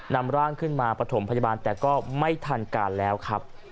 นำร่างขึ้นมาปฐมพยาบาลแต่ก็ไม่ทันการแล้วครับ